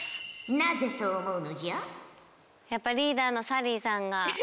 なぜそう思うのじゃ？